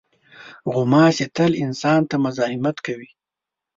غوماشې تل انسان ته مزاحمت کوي.